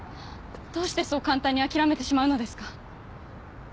どうしてそう簡単に諦めてしまうのですか？